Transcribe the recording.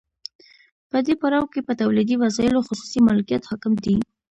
په دې پړاو کې په تولیدي وسایلو خصوصي مالکیت حاکم دی